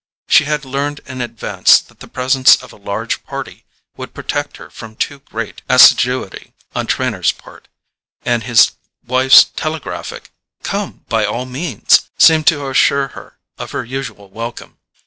She had learned in advance that the presence of a large party would protect her from too great assiduity on Trenor's part, and his wife's telegraphic "come by all means" seemed to assure her of her usual welcome.